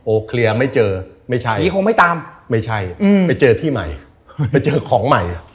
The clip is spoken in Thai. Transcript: โอ้เคลียร์ไม่เจอไม่ใช่ไปเจอที่ใหม่ไปเจอของใหม่